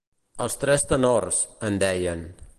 Els tres tenors, en deien.